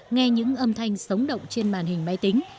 nghe những âm thanh sống động trên màn hình máy tính